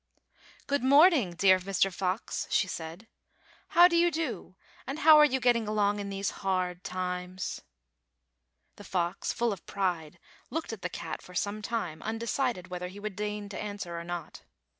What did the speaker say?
"Good morning, dear Mr. Fox," she said. "How do you do, and how are you getting along in these hard times .^" The fox, full of pride, looked at the cat for some time, undecided whether he would deign to answer or not.